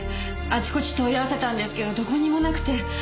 あちこち問い合わせたんですけどどこにもなくて。